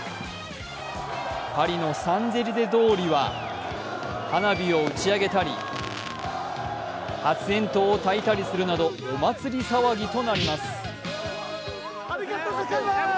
パリのシャンゼリゼ通りは花火を打ち上げたり発煙筒をたいたりするなどお祭り騒ぎとなります。